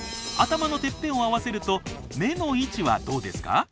頭のてっぺんを合わせると目の位置はどうですか？